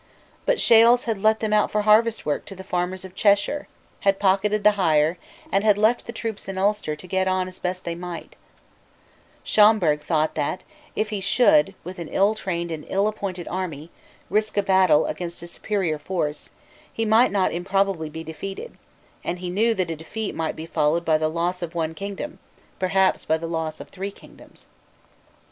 But Shales had let them out for harvest work to the farmers of Cheshire, had pocketed the hire, and had left the troops in Ulster to get on as they best might, Schomberg thought that, if he should, with an ill trained and ill appointed army, risk a battle against a superior force, he might not improbably be defeated; and he knew that a defeat might be followed by the loss of one kingdom, perhaps by the loss of three kingdoms.